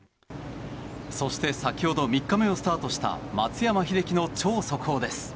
そして先ほど３日目をスタートした松山英樹の超速報です。